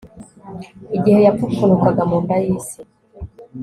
igihe yapfupfunukaga mu nda y'isi